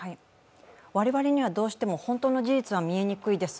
我々にはどうしても本当の事実は見えにくいです。